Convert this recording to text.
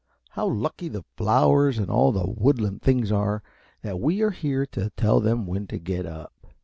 How lucky the flowers and all the woodland things are that we are here to tell them when to get up!"